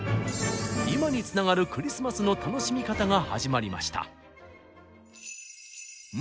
今につながるクリスマスの楽しみ方が始まりました。